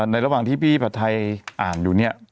ในระหว่างที่พี่ผาดทัยอ่านดู